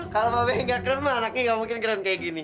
kalo pak be gak keren anaknya gak mungkin keren kayak gini